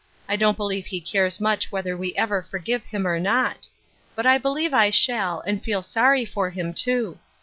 1 don't believe he cares much whether we ever forgive him or not. But I believe I shall, and feel sorry for him, too.